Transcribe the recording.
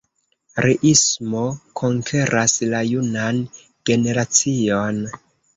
Riismo konkeras la junan generacion.